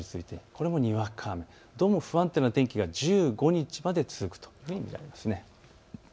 これもにわか雨、どうも不安定な天気が１５日まで続くというふうに見られます。